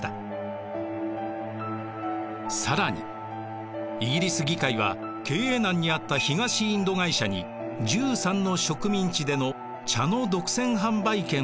更にイギリス議会は経営難にあった東インド会社に１３の植民地での茶の独占販売権を与えます。